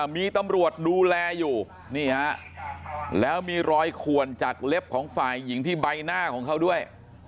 มีตำรวจดูแลอยู่นี่ฮะแล้วมีรอยขวนจากเล็บของฝ่ายหญิงที่ใบหน้าของเขาด้วย